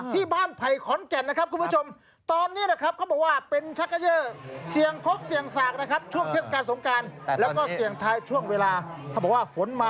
ที่บ้านไพน์ขอนแก่นนะครับคุณผู้ชม